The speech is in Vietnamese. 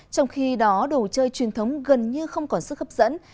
trong khi đó đồ chơi truyền thống gần như không còn sức hấp dẫn